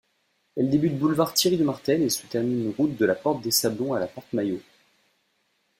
Elle débute boulevard Thierry-de-Martel et se termine route de la Porte-des-Sablons-à-la-Porte-Maillot.